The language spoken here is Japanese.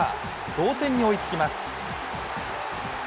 同点に追いつきます。